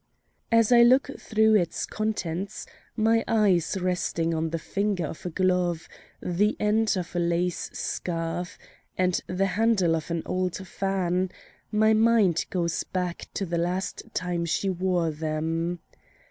As I look through its contents my eyes resting on the finger of a glove, the end of a lace scarf, and the handle of an old fan, my mind goes back to the last time she wore them.